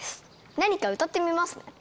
何か歌ってみます。